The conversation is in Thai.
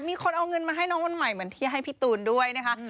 มีคนเอาเงินมาให้น้องวันใหม่เหมือนที่ให้พี่ตูนด้วยนะคะ